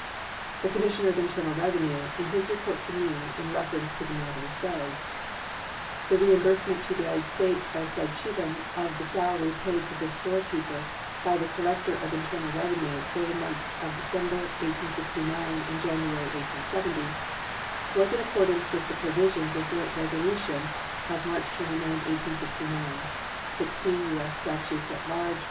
The Commissioner of Internal Revenue, in his report to me in reference to the matter, says: "The reimbursement to the United States by said Cheatham of the salary paid to this storekeeper by the collector of internal revenue for the months of December, 1869, and January, 1870, was in accordance with the provisions of joint resolution of March 29, 1869 (16 U.S. Statutes at Large, p.